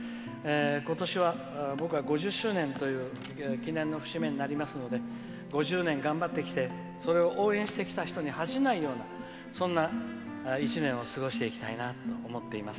今年は僕は５０周年という記念の節目になりますので５０年、頑張ってきてそれを応援してきた人に恥じないような、そんな一年を過ごしていきたいなと思っています。